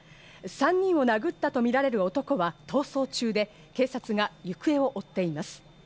３人を殴ったとみられる男は逃走中で警察が行方を追っています。